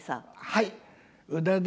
はい。